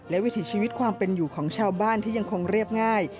และวิถีชีวิตความเป็นอยู่ของชาวบ้านที่ยังคงเรียบง่าย